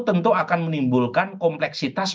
tentu akan menimbulkan kompleksitas